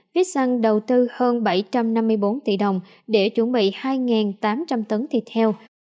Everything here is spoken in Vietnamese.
vitson đầu tư hơn bảy trăm năm mươi bốn tỷ đồng để chuẩn bị hai tám trăm linh tấn thịt heo